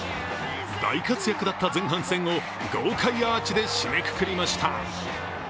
大活躍だった前半戦を豪快アーチで締めくくりました。